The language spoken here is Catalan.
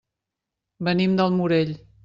Venim del Morell.